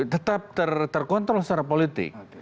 tetap terkontrol secara politik